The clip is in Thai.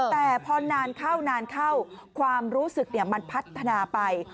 แต่พอนานเข้านานเข้าความรู้สึกมันพัฒนาไป